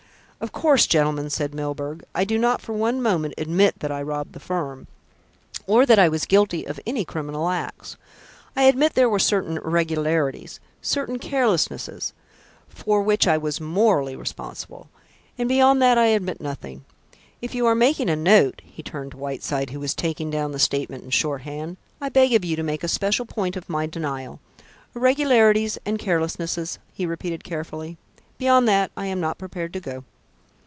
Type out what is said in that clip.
"Of course, gentlemen," said Milburgh, "I do not for one moment admit that I robbed the firm, or that I was guilty of any criminal acts. I admit there were certain irregularities, certain carelessnesses, for which I was morally responsible; and beyond that I admit nothing. If you are making a note" he turned to Whiteside, who was taking down the statement in shorthand, "I beg of you to make a special point of my denial. Irregularities and carelessnesses," he repeated carefully. "Beyond that I am not prepared to go."